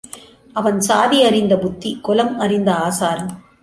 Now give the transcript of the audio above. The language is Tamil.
அவன் சாதி அறிந்த புத்தி, குலம் அறிந்த ஆசாரம்.